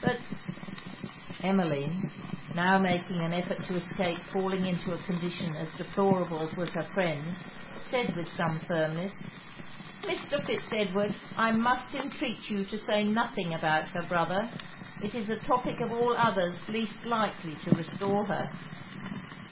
But ' Emmeline, now making an effort to escape falling into a condition as deplorable as was her friend's, said, with some firmness 'Mr. Fitz Edward, I must entreat you to say nothing about her brother. It is a topic of all others least likely to restore her.'